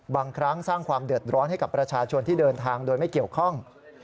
บางครั้งสร้างความเดือดร้อนให้กับประชาชนที่เดินทางโดยไม่เกี่ยวข้อง